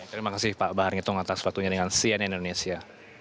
terima kasih pak bahar ngitung atas waktunya dengan cnn indonesia